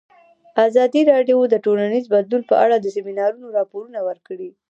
ازادي راډیو د ټولنیز بدلون په اړه د سیمینارونو راپورونه ورکړي.